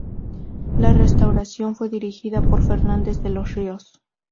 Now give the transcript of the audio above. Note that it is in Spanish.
La restauración fue dirigida por Fernández de los Ríos.